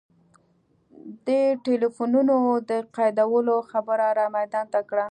د ټلفونونو د قیدولو خبره را میدان ته کړه.